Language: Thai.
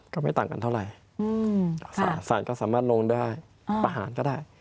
ก็ไม่ต่างกันเท่าไหร่สารก็สามารถลงได้ประหารก็ได้